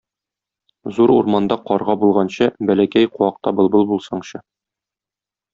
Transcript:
Зур урманда карга булганчы, бәләкәй куакта былбыл булсаңчы